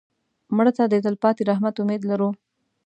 مړه ته د تلپاتې رحمت امید لرو